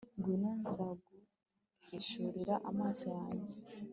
ngwino, nzaguhishurira amaso yanjye